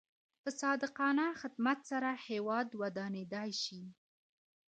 په صادقانه خدمت سره هیواد ودانېدای شي.